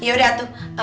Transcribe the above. oh ya udah tuh